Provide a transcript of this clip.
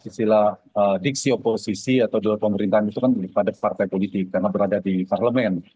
istilah diksi oposisi atau di luar pemerintahan itu kan pada partai politik karena berada di parlemen